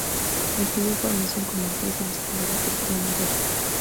Recibió formación como actriz en la escuela de Cristina Rota.